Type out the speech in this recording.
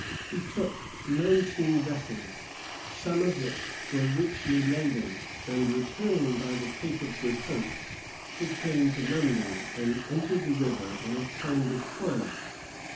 He took nineteen vessels, some of which were richly laden; and returning by the Cape of Good Hope, he came to London, and entered the river in a kind of triumph.